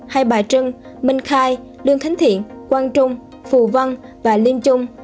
hai bà trưng minh khai lương khánh thiện quang trung phù văn và liêm trung